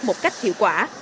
một cách hiệu quả